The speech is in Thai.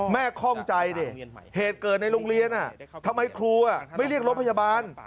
คล่องใจดิเหตุเกิดในโรงเรียนทำไมครูไม่เรียกรถพยาบาล